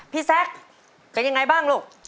แซคเป็นยังไงบ้างลูก